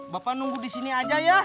bapak nunggu disini aja ya